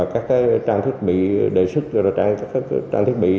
các trang thiết bị